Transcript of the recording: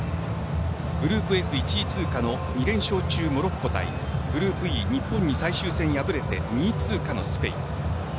グループＦ１位通過の２連勝中モロッコ対グループＥ、日本に最終戦敗れて２位通過のスペイン。